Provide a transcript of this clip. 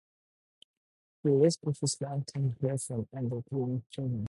He lives with his longtime girlfriend and their two young children.